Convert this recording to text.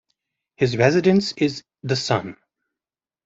His residence is the Sun.